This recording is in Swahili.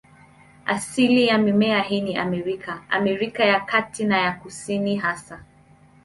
Asilia ya mimea hii ni Amerika, Amerika ya Kati na ya Kusini hasa.